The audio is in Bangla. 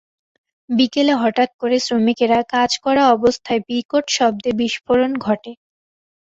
বিকেলে হঠাত্ করে শ্রমিকেরা কাজ করা অবস্থায় বিকট শব্দে বিস্ফোরণ ঘটে।